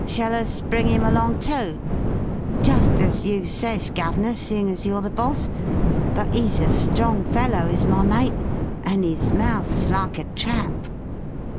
Shall us bring him along too? Just as you ses, guv'nor, seein' as you're the boss, but 'e's a strong fellow is my mate and 'is mouth's like a trap."